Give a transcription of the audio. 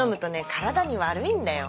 体に悪いんだよ。